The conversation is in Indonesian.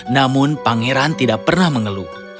namun pangeran tidak pernah mengeluh